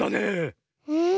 うん。